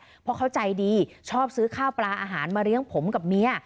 เพราะเขาใจดีชอบซื้อข้าวปลาอาหารมาเลี้ยงผมกับเมีย